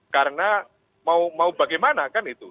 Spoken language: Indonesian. karena mau bagaimana kan itu